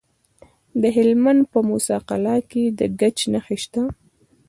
د هلمند په موسی قلعه کې د ګچ نښې شته.